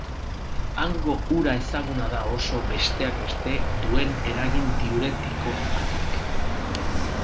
Hango ura ezaguna da oso, besteak beste, duen eragin diuretikoagatik.